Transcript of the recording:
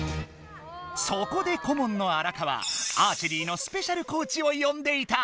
そこでこもんの荒川アーチェリーのスペシャルコーチをよんでいた。